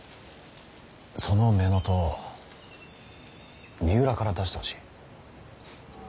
その乳母父を三浦から出してほしい。